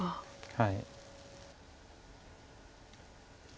はい。